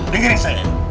dengar ini saya